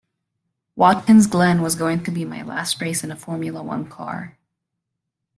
Watkins Glen was going to be my last race in a Formula One car.